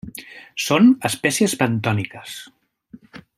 Són espècies bentòniques.